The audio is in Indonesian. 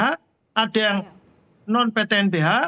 ada yang non ptnbh